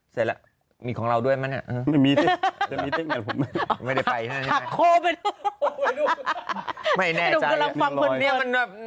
เสร็จแล้วมีของเราด้วยมั้ยไม่ได้ไปหักโค้งไหม